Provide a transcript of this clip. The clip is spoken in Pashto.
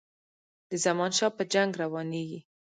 د زمانشاه په جنګ روانیږي.